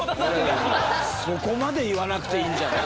そこまで言わなくていいんじゃない？